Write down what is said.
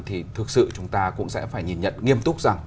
thì thực sự chúng ta cũng sẽ phải nhìn nhận nghiêm túc rằng